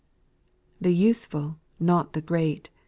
5. The useful, not the great.